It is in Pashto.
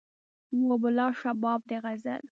وو به به لا شباب د غزل